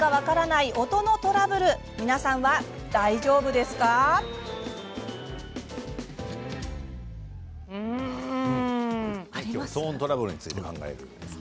今日は騒音トラブルについて考えます。